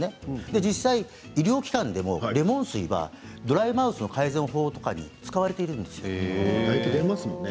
実際、医療機関でもレモン水はドライマウスの改善法とかにも使われているんです。